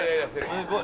すごい。